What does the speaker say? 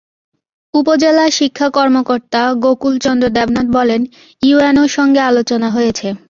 উপজেলা শিক্ষা কর্মকর্তা গকুল চন্দ্র দেবনাথ বলেন, ইউএনওর সঙ্গে আলোচনা হয়েছে।